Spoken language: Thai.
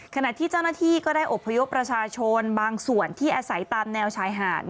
ขณะที่เจ้าหน้าที่ก็ได้อบพยพประชาชนบางส่วนที่อาศัยตามแนวชายหาด